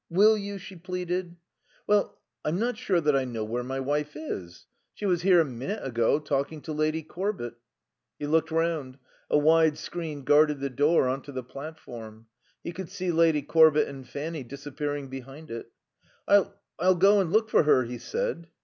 "Will you?" she pleaded. "Well I'm not sure that I know where my wife is. She was here a minute ago, talking to Lady Corbett." He looked round. A wide screen guarded the door on to the platform. He could see Lady Corbett and Fanny disappearing behind it. "I I'll go and look for her," he said.